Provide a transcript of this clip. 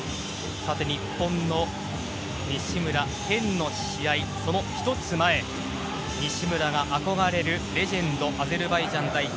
さて、日本の西村拳の試合その１つ前西村が憧れるレジェンドアゼルバイジャン代表